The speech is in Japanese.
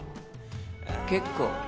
結構。